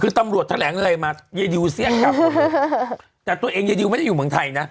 คือตำรวจแถลงอะไรมายายดิวเสี้ยกลับแต่ตัวเองยายดิวไม่ได้อยู่เมืองไทยนะ